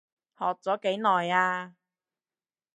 學咗幾耐啊？